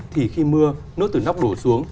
thì khi mưa nước từ nóc đổ xuống